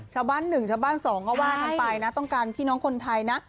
ชาวบ้านหนึ่งชาวบ้านสองเขาว่าให้ทำไปนะต้องการพี่น้องคนไทยนะ